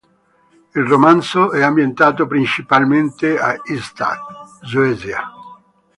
Il romanzo è ambientato principalmente a Ystad, Svezia.